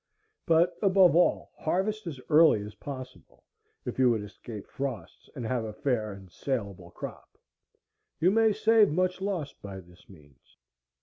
But above all harvest as early as possible, if you would escape frosts and have a fair and salable crop; you may save much loss by this means.